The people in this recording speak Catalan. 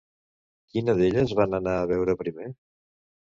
Quina d'elles van anar a veure primer?